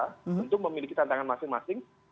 tentu memiliki tantangan masing masing